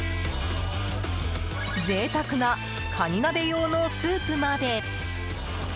贅沢なカニ鍋用のスープまで。